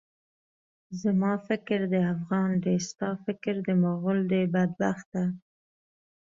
زما فکر د افغان دی، ستا فکر د مُغل دی، بدبخته!